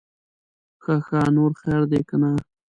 ښه ښه, نور خير دے که نه؟